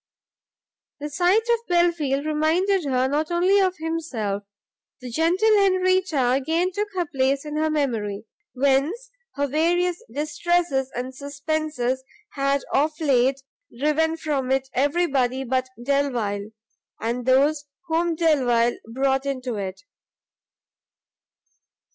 The sight of Belfield reminded her not only of himself; the gentle Henrietta again took her place in her memory, whence her various distresses and suspences had of late driven from it everybody but Delvile, and those whom Delvile brought into it.